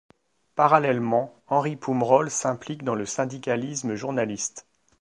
Parallèlement, Henri Poumerol s'implique dans le syndicalisme journaliste.